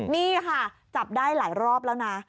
นี่ค่ะจับได้หลายรอบแล้วนะ